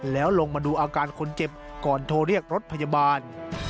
แล้วลงมาดูอาการคนเจ็บก่อนโทรเรียกรถพยาบาล